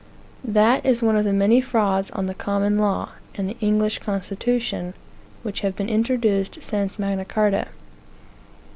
That is one of the many frauds on the Common Law, and the English constitution, which have been introduced since Magna Carta.